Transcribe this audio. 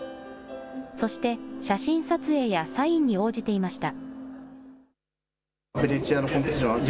そして、写真撮影やサインに応じていました。